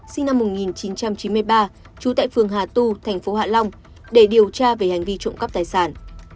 sinh năm một nghìn chín trăm chín mươi ba trú tại phường hà tu thành phố hạ long để điều tra về hành vi trộm cắp tài sản